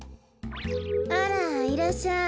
あらいらっしゃい。